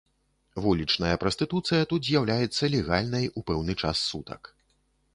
Вулічная прастытуцыя тут з'яўляецца легальнай ў пэўны час сутак.